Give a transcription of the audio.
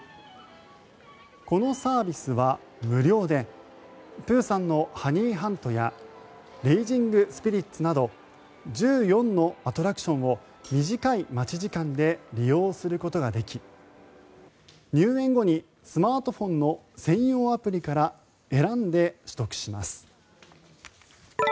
このサービスは、無料でプーさんのハニーハントやレイジングスピリッツなど１４のアトラクションを短い待ち時間で利用することができ入園後にスマートフォンの専用アプリから選んで取得します。